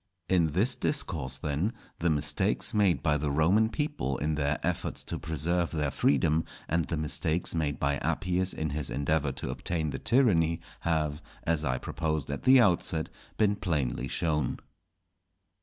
In this Discourse then the mistakes made by the Roman people in their efforts to preserve their freedom and the mistakes made by Appius in his endeavour to obtain the tyranny, have, as I proposed at the outset, been plainly shown.